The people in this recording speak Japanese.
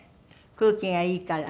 空気がいいから。